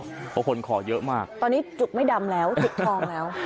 เพราะคนขอเยอะมากตอนนี้จุกไม่ดำแล้วจุกทองแล้ว